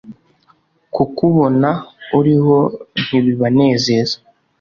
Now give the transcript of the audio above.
Kukubona uriho ntibibanezeza